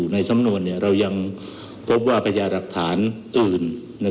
ในสำนวนเรายังพบว่าพญาหลักฐานอื่น